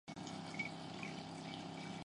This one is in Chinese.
歧伞香茶菜为唇形科香茶菜属下的一个种。